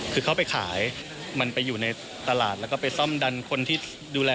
คือเขาไปขายมันไปอยู่ในตลาดแล้วก็ไปซ่อมดันคนที่ดูแล